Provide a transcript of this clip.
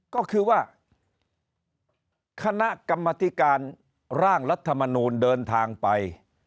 ก็คือว่าคณะกรรมธิการร่างรัฐมนูลเดินทางไป